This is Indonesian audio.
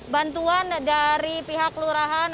bantuan dari pihak lurahan